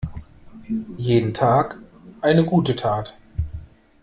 Jeden Tag eine gute Tat.